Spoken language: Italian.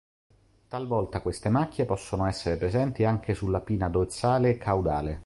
Talvolta queste macchie possono essere presenti anche sulla pinna dorsale e caudale.